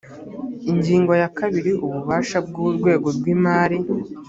ingingo ya kabiri ububasha bw urwego rw imari